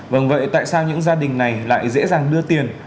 vâng vậy tại sao những gia đình này lại dễ dàng đưa tiền